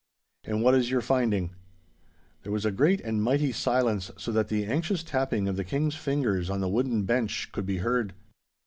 'And what is your finding?' There was a great and mighty silence so that the anxious tapping of the King's fingers on the wooden bench could be heard.